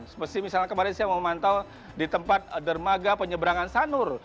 seperti misalnya kemarin saya memantau di tempat dermaga penyeberangan sanur